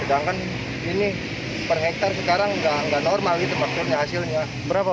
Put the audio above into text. sedangkan ini per hektare sekarang enggak enggak normal itu maksudnya hasilnya berapa